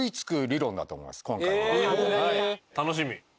楽しみ。